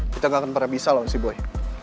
kita gak akan pernah bisa loh si boy